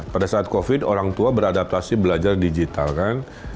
pada saat covid orang tua beradaptasi belajar digital kan